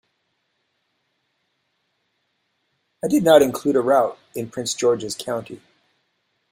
It did not include a route in Prince George's County.